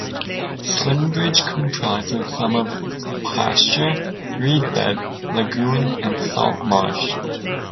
Slimbridge comprises some of pasture, reed bed, lagoon and salt marsh.